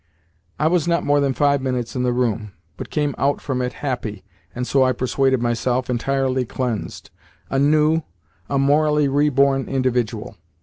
I was not more than five minutes in the room, but came out from it happy and (so I persuaded myself) entirely cleansed a new, a morally reborn individual.